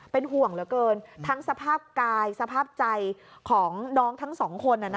เป็นห่วงเหลือเกินทั้งสภาพกายสภาพใจของน้องทั้งสองคน